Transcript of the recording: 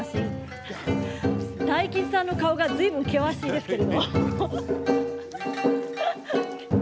大吉さんの顔がずいぶん険しいようですけれども。